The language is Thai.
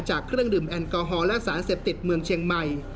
เครื่องดื่มแอลกอฮอลและสารเสพติดเมืองเชียงใหม่